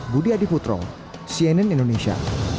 budi adi putro cnn indonesia